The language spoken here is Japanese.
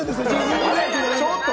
ちょっと！